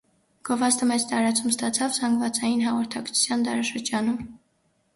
Գովազդը մեծ տարածում ստացավ զանգվածային հաղորդակցության դարաշրջանում։